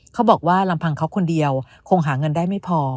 เขาบอกว่าลำพังเขาคนเดียวคงหาเงินได้ไม่พอ